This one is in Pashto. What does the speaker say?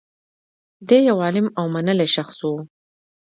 دی یو عالم او منلی شخص و